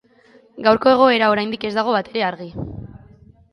Gaurko egoera oraindik ez dago batere argi.